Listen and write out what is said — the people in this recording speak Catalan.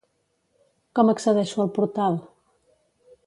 Com accedeixo al portal?